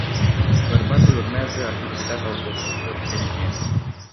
Bărbatul urmează a fi predat autorităților belgiene.